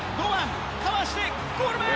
かわしてゴール前！